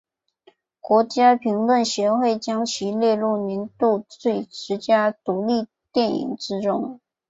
国家评论协会将其列入年度十佳独立电影之中。